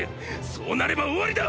そうなれば終わりだ！！